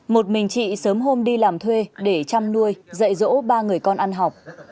một mình chị sớm hôm đi làm thuê để chăm nuôi dạy dỗ ba người con ăn học